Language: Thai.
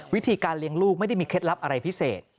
วิธีการเลี้ยงลูกไม่ได้มีเคล็ดลับอะไรพิเศษ